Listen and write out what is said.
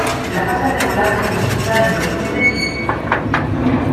La fase regular se disputa entre octubre y diciembre.